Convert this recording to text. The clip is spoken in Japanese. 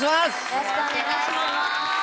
よろしくお願いします。